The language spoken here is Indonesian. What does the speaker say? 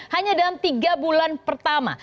hanya dalam tiga bulan pertama